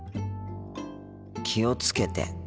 「気をつけて」。